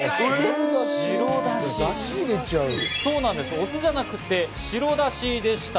お酢じゃなくて白だしでした。